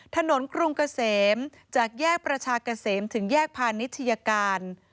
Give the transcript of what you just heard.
กรุงเกษมจากแยกประชาเกษมถึงแยกพาณิชยการ